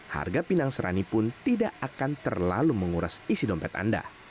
harga pinang serani pun tidak akan terlalu menguras isi dompet anda